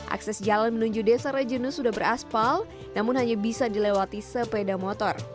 akses jalan menuju desa rejenu sudah beraspal namun hanya bisa dilewati sepeda motor